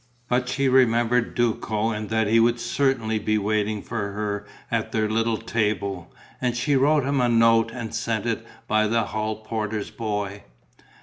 But she remembered Duco and that he would certainly be waiting for her at their little table and she wrote him a note and sent it by the hall porter's boy....